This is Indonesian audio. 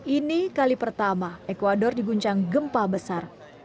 ini kali pertama ecuador diguncang gempa besar